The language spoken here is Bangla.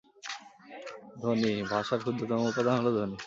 ধ্বনি: ভাষার ক্ষুদ্রতম উপাদান হলো ধ্বনি।